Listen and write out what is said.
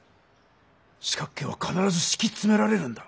四角形はかならずしきつめられるんだ。